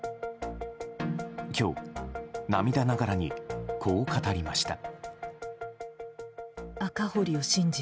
今日、涙ながらにこう語りました。